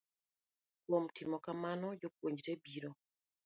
Kuom timo kamano, jopuonjre biro